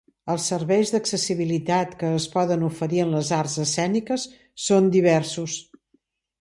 Els serveis d'accessibilitat que es poden oferir en les arts escèniques són diversos.